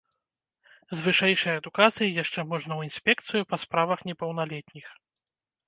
З вышэйшай адукацыяй яшчэ можна ў інспекцыю па справах непаўналетніх.